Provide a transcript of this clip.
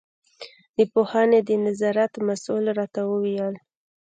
د پوهنې د نظارت مسوول راته وویل.